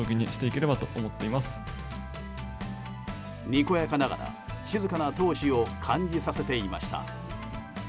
にこやかながら静かな闘志を感じさせていました。